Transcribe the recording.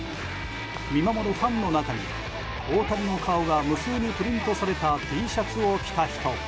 見守るファンの中には大谷の顔が無数にプリントされたＴシャツを着た人も。